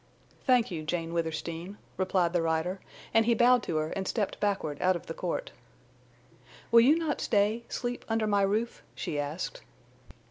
"Thank you, Jane Withersteen," replied the rider, and he bowed to her and stepped backward out of the court. "Will you not stay—sleep under my roof?" she asked.